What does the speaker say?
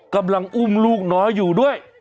กำลังอุ้มลูกน้อยอยู่ด้วย